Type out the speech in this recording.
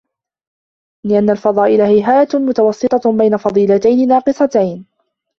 لِأَنَّ الْفَضَائِلَ هَيْئَاتٌ مُتَوَسِّطَةٌ بَيْنَ فَضِيلَتَيْنِ نَاقِصَتَيْنِ